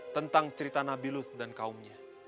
tentang cerita nabi lut dan kaumnya